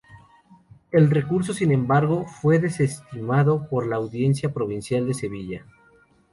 El recurso, sin embargo, fue desestimado por la Audiencia Provincial de Sevilla.